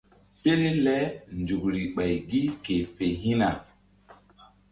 Pele le nzukri ɓay gi ke fe hi̧na.